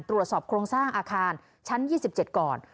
ตรวจสอบโครงสร้างอาคารชั้น๒๗ก่อน